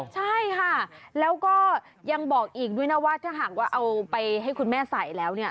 ใช่ค่ะแล้วก็ยังบอกด้วยนะว่าถ้าหากเอาไปให้คุณแม่ใส่แล้ว